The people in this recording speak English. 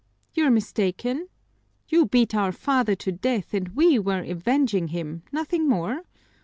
"You're mistaken. You beat our father to death and we were avenging him, nothing more.